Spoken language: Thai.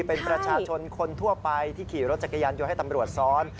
เป็นประชาชนคนทั่วไปที่ขี่รถจักรยานยนต์ให้ตำรวจซ้อน